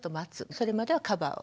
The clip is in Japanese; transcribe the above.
それまではカバーを。